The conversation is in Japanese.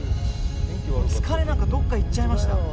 もう疲れなんかどっか行っちゃいました。